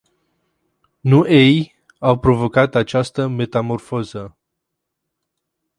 Nu ei au provocat această metamorfoză.